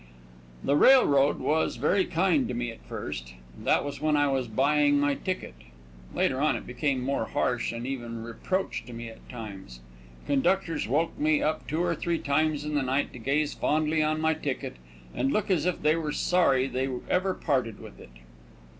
The railroad was very kind to me at first. That was when I was buying my ticket. Later on it became more harsh and even reproached me at times. Conductors woke me up two or three times in the night to gaze fondly on my ticket and look as if they were sorry they ever parted with it.